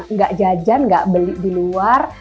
nggak jajan nggak beli di luar